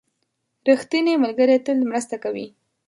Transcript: • ریښتینی ملګری تل مرسته کوي.